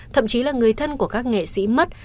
thậm chí là người thân của các nghệ sĩ mất